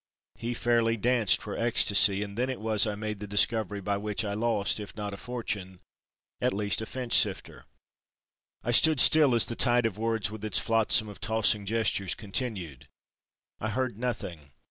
—he fairly danced for ecstasy and then it was I made the discovery, by which I lost if not a Fortune at least a Finchsifter. I stood still as the tide of words with its flotsam of tossing gestures, continued—I heard nothing.